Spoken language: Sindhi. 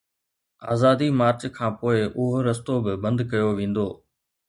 آزادي مارچ کانپوءِ اهو رستو به بند ڪيو ويندو.